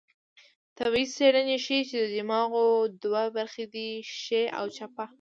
طبي څېړنې ښيي، چې د دماغو دوه برخې دي؛ ښۍ او چپه